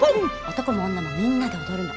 男も女もみんなで踊るの。